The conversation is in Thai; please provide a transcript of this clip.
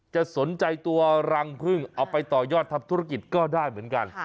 จะสนใจตัวรังพึ่งเอาไปต่อยอดทำธุรกิจก็ได้เหมือนกัน